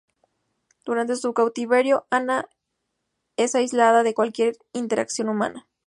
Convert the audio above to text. Durante su cautiverio, Ana es aislada de cualquier interacción humana.